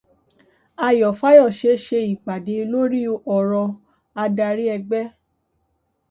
Ayò Fáyọ̀ṣe ṣe ìpàdé lórí ọ̀rọ̀ adarí ẹgbẹ́.